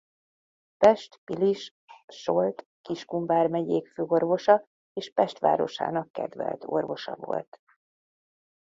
Pest-Pilis-Solt-Kiskun vármegyék főorvosa és Pest városának kedvelt orvosa volt.